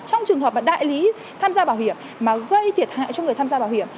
trong trường hợp mà đại lý tham gia bảo hiểm mà gây thiệt hại cho người tham gia bảo hiểm